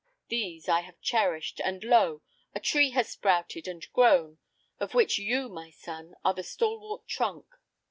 These I have cherished, and lo! a tree has sprouted and grown, of which you, my son, are the stalwart trunk.